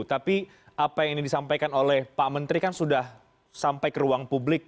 tapi apa yang ini disampaikan oleh pak menteri kan sudah sampai ke ruang publik